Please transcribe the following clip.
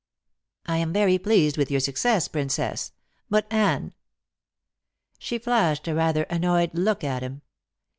"I am very pleased with your success, Princess. But Anne?" She flashed a rather annoyed look at him.